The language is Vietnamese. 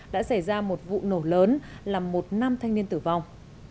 đã xảy ra một vụ nổ lớn làm một nam thanh niên tử vong